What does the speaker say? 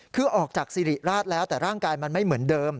คือออกจากสิริราชแล้วแต่ร่างกายมันไม่เหมือนเดิม